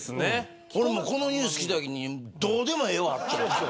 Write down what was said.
俺もこのニュースを聞いたときにどうでもええわって。